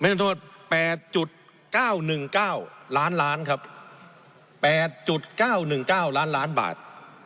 โทษ๘๙๑๙ล้านล้านครับ๘๙๑๙ล้านล้านบาท